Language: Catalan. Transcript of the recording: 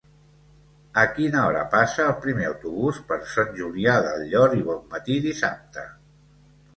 A quina hora passa el primer autobús per Sant Julià del Llor i Bonmatí dissabte?